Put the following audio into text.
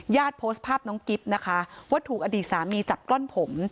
โพสต์ภาพน้องกิ๊บนะคะว่าถูกอดีตสามีจับกล้อนผม